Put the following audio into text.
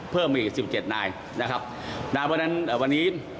เพิ่มไปอีก๑๗นายดาบนั้นวันนี้